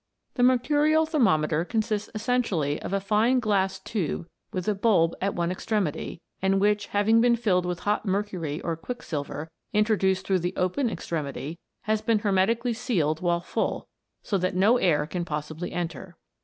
The mercurial thermometer consists essentially of a fine glass tube with a bulb at one extremity, and which, having been filled with hot mercury or quicksilver, introduced through the open extremity, has been hermetically sealed while full, so that no WATER BEWITCHED. 157 air can possibly enter.